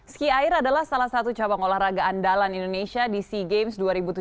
ski air adalah salah satu cabang olahraga andalan indonesia di sea games dua ribu tujuh belas